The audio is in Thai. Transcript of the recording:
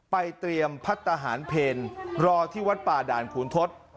เตรียมพัฒนาหารเพลรอที่วัดป่าด่านขุนทศ